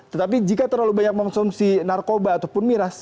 tetapi jika terlalu banyak mengonsumsi narkoba ataupun miras